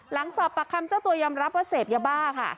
หลังสอบปากคำเจ้าตัวยอมรับว่าเสพยาบ้าค่ะ